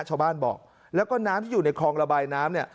ชาวบ้านบอกแล้วก็น้ำที่อยู่ในคลองระบายน้ำเนี่ย